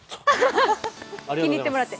気に入ってもらえて。